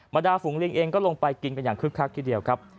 ดาฝูงลิงเองก็ลงไปกินกันอย่างคึกคักทีเดียวครับ